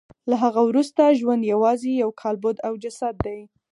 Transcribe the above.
له هغه وروسته ژوند یوازې یو کالبد او جسد دی